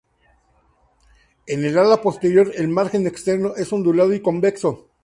El en ala posterior el margen externo es ondulado y convexo.